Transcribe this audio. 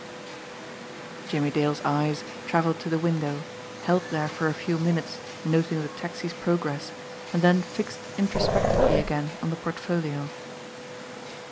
34 ONE ISAAC SHIFTEL 35 Jimmie Dale's eyes travelled to the window, held there for a few minutes noting the taxi's progress, and then fixed in trospectively again on the portfolio.